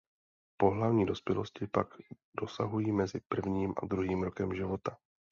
Pohlavní dospělosti pak dosahují mezi prvním a druhým rokem života.